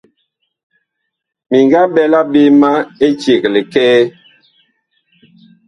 Mi nga ɓɛla ɓe ma éceg likɛɛ.